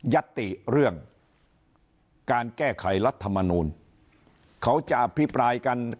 ยัตติเรื่องการแก้ไขรัฐธรรมนุมเขาจะพิปรายกัน